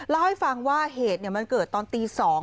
เล่าให้ฟังว่าเหตุมันเกิดตอนตี๒